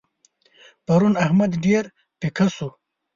پرون احمد ډېر پيکه شو.